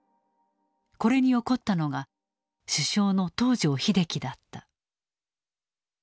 これに怒ったのが首相の東條英機だった。